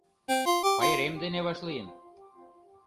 Пайрем дене вашлийын